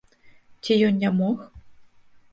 Ці ён не мог?